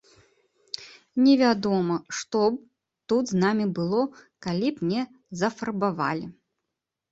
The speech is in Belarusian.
Невядома, што б тут з намі было, калі б не зафарбавалі.